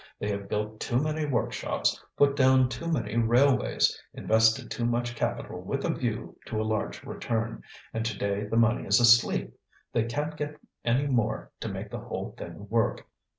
They have built too many workshops, put down too many railways, invested too much capital with a view to a large return, and today the money is asleep. They can't get any more to make the whole thing work.